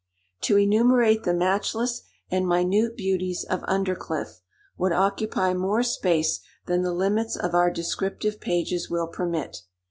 To enumerate the matchless and minute beauties of Undercliff, would occupy more space than the limits of our descriptive pages will permit.